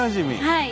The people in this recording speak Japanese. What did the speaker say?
はい。